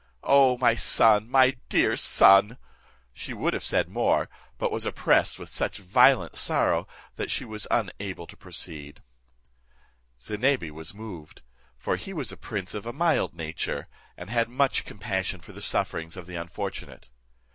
O my son, my dear son!" She would have said more, but was oppressed with such violent sorrow that she was unable to proceed. Zinebi was moved; for he was a prince of a mild nature, and had much compassion for the sufferings of the unfortunate.